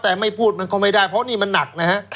แต่ไม่พูดมันก็ไม่ได้เพราะนี่มันหนักนะฮะ